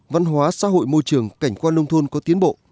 văn hóa xã hội môi trường cảnh quan nông thôn có tiến bộ